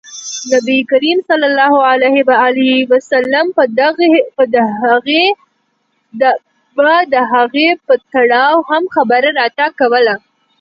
نبي کریم ص به د هغې په تړاو هم خبره راته کوله.